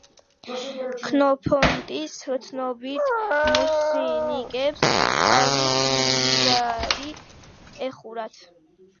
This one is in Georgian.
ქსენოფონტის ცნობით მოსინიკებს ტყავის მუზარადი ეხურათ.